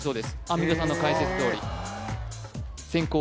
アンミカさんの解説どおり先攻